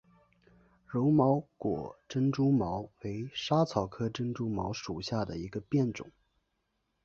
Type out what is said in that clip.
柔毛果珍珠茅为莎草科珍珠茅属下的一个变种。